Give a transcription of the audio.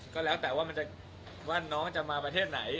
ก็แล้วแต่ว่าน้องจะมาประเทศไหน